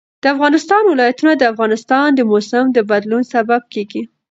د افغانستان ولايتونه د افغانستان د موسم د بدلون سبب کېږي.